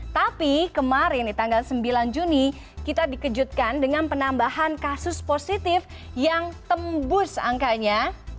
tapi kemarin di tanggal sembilan juni kita dikejutkan dengan penambahan kasus positif yang tembus angkanya